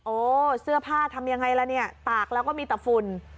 โอ้เสื้อผ้าทำยังไงล่ะเนี่ยตากแล้วก็มีแต่ฝุ่น